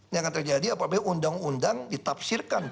yang akan terjadi apabila undang undang ditafsirkan